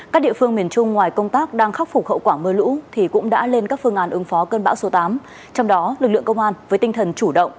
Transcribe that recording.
các địa phương miền trung ngoài công tác đang khắc phục hậu quả mưa lũ thì cũng đã lên các phương án ứng phó cơn bão số tám